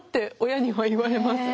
親には言われますね。